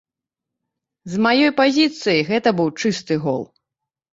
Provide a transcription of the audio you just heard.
З маёй пазіцыі гэта быў чысты гол.